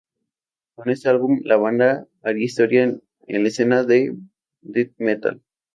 Con este álbum, la banda haría historia en la escena del Death metal.